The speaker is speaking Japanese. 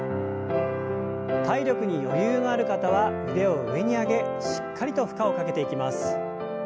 体力に余裕のある方は腕を上に上げしっかりと負荷をかけていきます。